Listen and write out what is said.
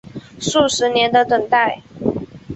数十年的等待